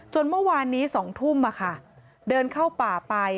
เมื่อวานนี้๒ทุ่มเดินเข้าป่าไป